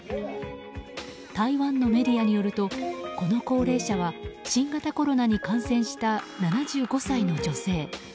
台湾のメディアによるとこの高齢者は新型コロナに感染した７５歳の女性。